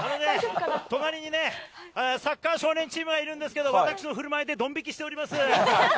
隣にサッカー少年チームがいるんですけれども、私の振る舞いにドン引きしております。